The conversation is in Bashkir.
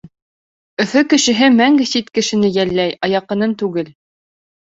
Өфө кешеһе мәңге сит кешене йәлләй, ә яҡынын түгел.